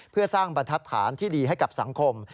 เพื่อสร้างบรรทัศน์ที่ดีให้กับสังคม